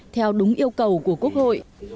theo đúng yêu cầu của quốc hội